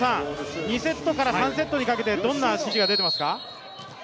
２セットから３セットにかけて、どんな指示が出ていますか？